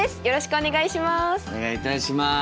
お願いいたします。